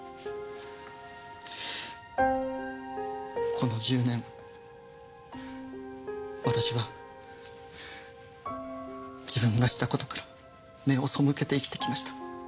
この１０年私は自分がした事から目を背けて生きてきました。